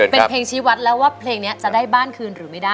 เป็นเพลงชีวัตรแล้วว่าเพลงนี้จะได้บ้านคืนหรือไม่ได้